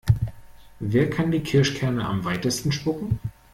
Wer kann die Kirschkerne am weitesten spucken?